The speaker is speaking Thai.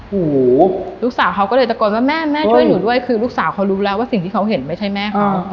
หูลูกสาวเขาก็เลยตะโกนว่าแม่แม่ช่วยหนูด้วยคือลูกสาวเขารู้แล้วว่าสิ่งที่เขาเห็นไม่ใช่แม่เขา